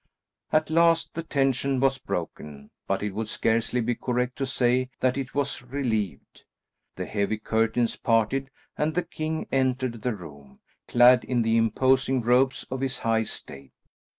At last the tension was broken, but it would scarcely be correct to say that it was relieved. The heavy curtains parted and the king entered the room, clad in the imposing robes of his high state.